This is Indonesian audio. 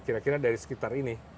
kira kira dari sekitar ini